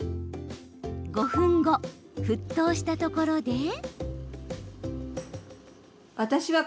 ５分後、沸騰したところで。